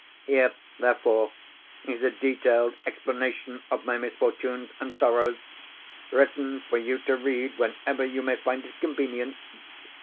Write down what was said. Here, therefore, is a detailed explanation of my misfortunes and sorrows, written for you to read whenever you may find it convenient.